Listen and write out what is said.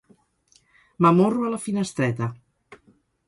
M'amorro a la finestreta.